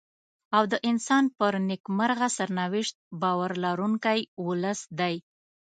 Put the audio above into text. او د انسان پر نېکمرغه سرنوشت باور لرونکی ولس دی.